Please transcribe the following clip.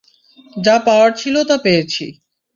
যা পাওয়ার ছিল তা পেয়েছি।